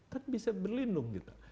kan bisa berlindung kita